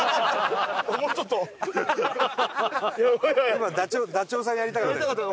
今ダチョウさんやりたかった？